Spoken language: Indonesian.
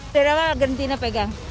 dari awal argentina pegang